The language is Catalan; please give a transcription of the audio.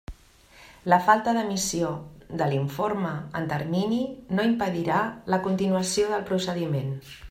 La falta d'emissió de l'informe en termini no impedirà la continuació del procediment.